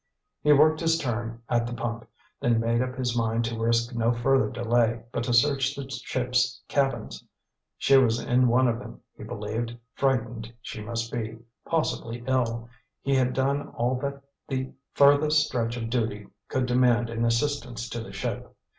He worked his turn at the pump, then made up his mind to risk no further delay, but to search the ship's cabins. She was in one of them, he believed; frightened she must be, possibly ill. He had done all that the furthest stretch of duty could demand in assistance to the ship.